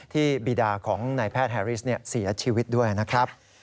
บีดาของนายแพทย์แฮริสเสียชีวิตด้วยนะครับ